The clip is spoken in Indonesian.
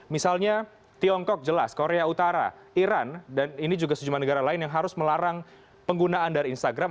misalnya tiongkok jelas korea utara iran dan ini juga sejumlah negara lain yang harus melarang penggunaan dari instagram